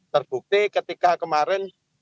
terbukti ketika kemarin